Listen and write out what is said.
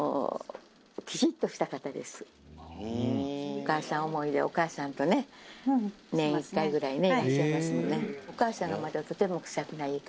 「お母さん思いでお母さんとね年１回ぐらいねいらっしゃいますよね」